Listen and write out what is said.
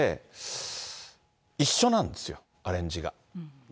一緒なんですよ、アレンジが。